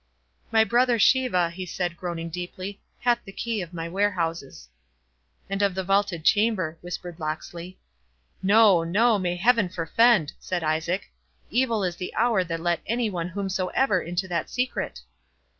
"My brother Sheva," he said, groaning deeply, "hath the key of my warehouses." "And of the vaulted chamber," whispered Locksley. "No, no—may Heaven forefend!" said Isaac; "evil is the hour that let any one whomsoever into that secret!"